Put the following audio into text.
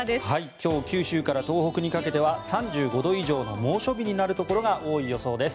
今日九州から東北にかけては３５度以上の猛暑日となるところが多い予想です。